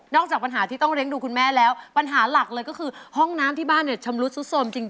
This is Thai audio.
นอกจากปัญหาที่ต้องเล็งดูพ่อแม่แล้วปัญหาหลักเลยก็คือห้องน้ำที่บ้านชะมรุดส้มจริง